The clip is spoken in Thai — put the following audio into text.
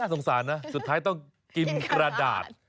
สงสารนะสุดท้ายต้องกินกระดาษ